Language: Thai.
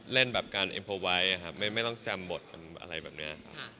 เล่นแบบการอิมโปรไวท์ไม่ต้องจำบทอะไรแบบนี้